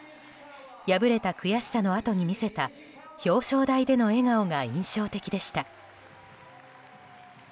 敗れた悔しさのあとに見せた表彰台での笑顔が印象的でした。